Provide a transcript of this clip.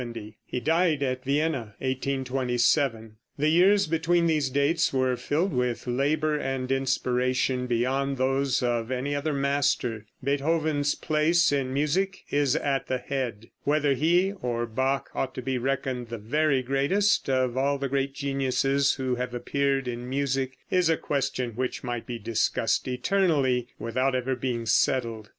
He died at Vienna, 1827. The years between these dates were filled with labor and inspiration, beyond those of any other master. Beethoven's place in music is at the head. Whether he or Bach ought to be reckoned the very greatest of all the great geniuses who have appeared in music, is a question which might be discussed eternally without ever being settled.